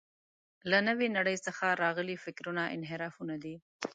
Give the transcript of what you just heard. له نوې نړۍ څخه راغلي فکرونه انحرافونه دي.